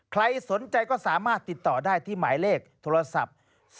ใครสนใจก็สามารถติดต่อได้ที่หมายเลขโทรศัพท์